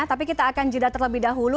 tapi kita akan jeda terlebih dahulu